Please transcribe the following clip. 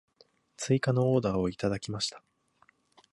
追加のオーダーをいただきました。